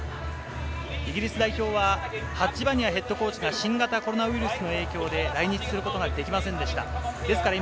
イギリス代表はハッジ・バニアヘッドコーチが新型コロナウイルスの影響で来日することができませんでした。